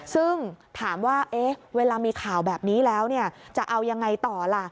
ซึ่งถามว่าเวลามีข่าวแบบนี้แล้วจะเอายังไงต่อล่ะ